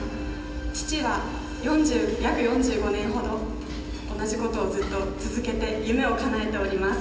父は約４５年ほど、同じことをずっと続けて、夢をかなえております。